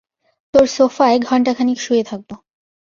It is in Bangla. তোর সোফায় ঘণ্টাখানিক শুয়ে থাকব।